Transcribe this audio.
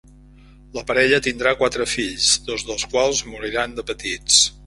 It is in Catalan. La parella tindrà quatre fills, dos dels quals moriran de petits.